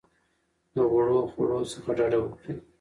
د غوړو خوړو څخه ډډه وکړئ.